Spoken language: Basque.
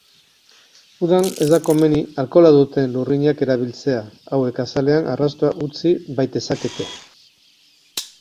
Udan ez da komeni alkohola duten lurrinak erabiltzea hauek azalean arrastoa utzi baitezakete.